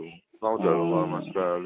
mau jalan rumah sama sekali